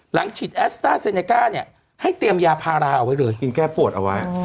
ฉีดแอสต้าเซเนก้าเนี่ยให้เตรียมยาพาราเอาไว้เลยกินแก้ปวดเอาไว้